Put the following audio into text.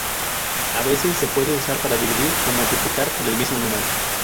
A veces se puede usar para dividir o multiplicar por el mismo número.